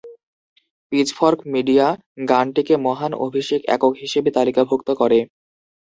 Pitchfork Media গানটিকে "মহান অভিষেক একক" হিসেবে তালিকাভুক্ত করে।